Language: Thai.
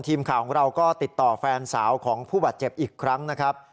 ทีมข่าวของเราก็ติดต่อแฟนสาวของผู้บาดเจ็บอีกครั้งนะครับ